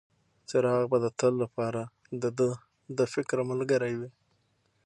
څراغ به د تل لپاره د ده د فکر ملګری وي.